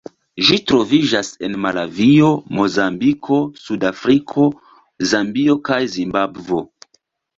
Ĝi troviĝas en Malavio, Mozambiko, Sudafriko, Zambio kaj Zimbabvo.